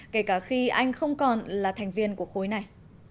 kể cả khi anh không còn là thành viên của khối này